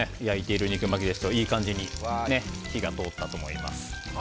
焼いている肉巻きにいい感じに火が通ったと思います。